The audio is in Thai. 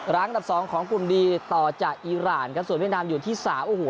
อันดับสองของกลุ่มดีต่อจากอีรานครับส่วนเวียดนามอยู่ที่สามโอ้โห